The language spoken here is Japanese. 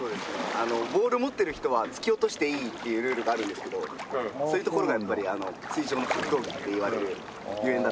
あのボール持ってる人は突き落としていいっていうルールがあるんですけどそういうところがやっぱり水上の格闘技って言われるゆえんだったりします。